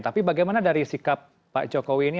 tapi bagaimana dari sikap pak jokowi ini